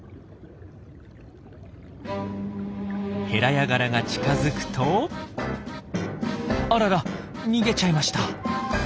ヘラヤガラが近づくとあらら逃げちゃいました。